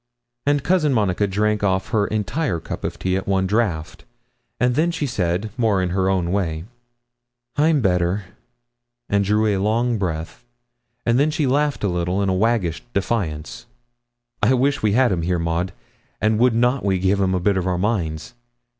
And Cousin Monica drank off her entire cup of tea at one draught, and then she said, more in her own way 'I'm better!' and drew a long breath, and then she laughed a little in a waggish defiance. 'I wish we had him here, Maud, and would not we give him a bit of our minds!